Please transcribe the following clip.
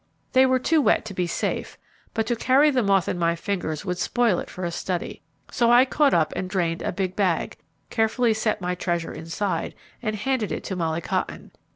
They were too wet to be safe, but to carry the moth in my fingers would spoil it for a study, so I caught up and drained a big bag; carefully set my treasure inside, and handed it to Molly Cotton.